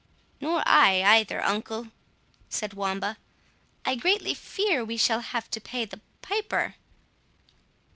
"Nor I either, uncle," said Wamba; "I greatly fear we shall have to pay the piper."